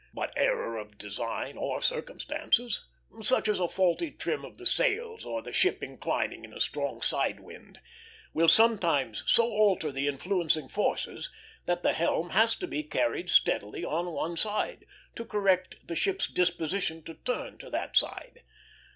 But error of design, or circumstances, such as a faulty trim of the sails or the ship inclining in a strong side wind, will sometimes so alter the influencing forces that the helm has to be carried steadily on one side, to correct the ship's disposition to turn to that side.